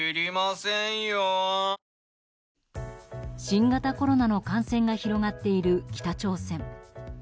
新型コロナの感染が広がっている北朝鮮。